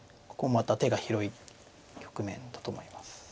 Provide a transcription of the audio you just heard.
ここもまた手が広い局面だと思います。